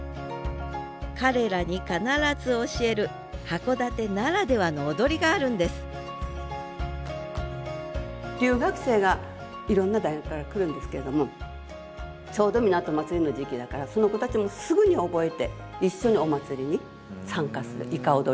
彼らに必ず教える函館ならではの踊りがあるんです留学生がいろんな大学から来るんですけれどもちょうど港まつりの時期だからその子たちもすぐに覚えてえ！